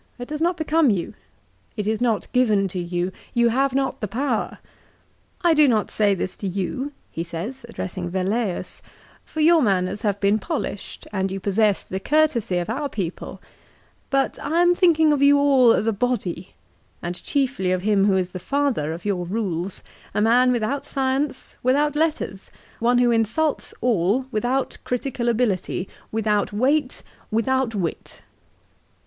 It does not become you. It is not given to you. You have not the power. I do not say this to you " he says addressing Velleius, " for your manners have been polished, and you possess the courtesy of our people ; but I am thinking of you all as a body, and chiefly of him who is the father of your rules, a man without science, without letters, one who insults all, without critical 1 De Natura Deo. lib. i. ca. iv. 2 Ibid. lib. i. ca. ix. 3 Ibid. i. ca. xiv. 360 LIFE OF CICERO. ability, without weight, without wit."